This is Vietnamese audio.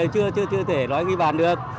chưa thể nói ghi bản được